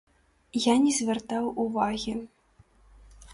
Я не звяртаў увагі.